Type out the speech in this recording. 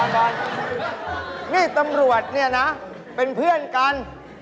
นี่ตำรวจเนี่ยนะเป็นเพื่อนกัน